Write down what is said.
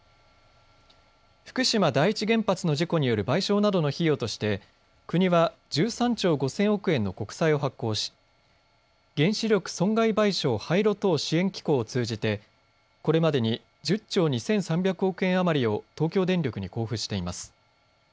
福島第一原発の事故による賠償などの費用として国は１３兆５０００億円の国債を発行し原子力損害賠償・廃炉等支援機構を通じてこれまでに１０兆２３００億円余りを東京電力に交付しています。